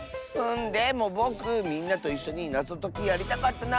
でもぼくみんなといっしょになぞときやりたかったなあ。